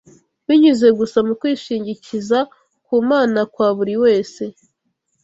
binyuze gusa mu kwishingikiza ku Mana kwa buri wese